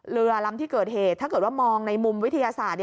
เรือลำที่เกิดเหตุถ้าเกิดว่ามองในมุมวิทยาศาสตร์